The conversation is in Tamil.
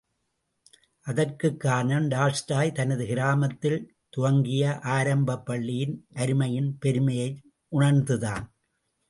அதற்குக் காரணம், டால்ஸ்டாய் தனது கிராமத்தில் துவங்கிய ஆரம்பப் பள்ளியின் அருமையின் பெருமையை உணர்ந்ததுதான்.